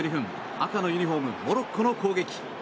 赤のユニホームモロッコの攻撃。